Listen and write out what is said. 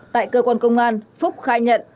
tại cơ quan công an phúc khai nhận